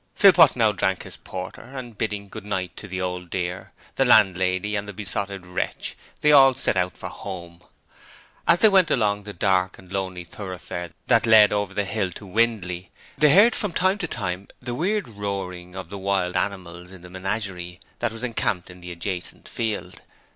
Philpot now drank his porter, and bidding 'good night' to the Old Dear, the landlady and the Besotted Wretch, they all set out for home. As they went along the dark and lonely thoroughfare that led over the hill to Windley, they heard from time to time the weird roaring of the wild animals in the menagerie that was encamped in the adjacent field.